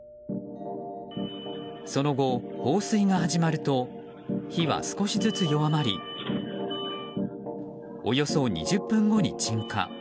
その後、放水が始まると火は少しずつ弱まりおよそ２０分後に鎮火。